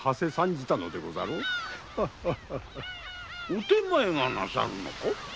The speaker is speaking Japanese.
お手前がなさるのか？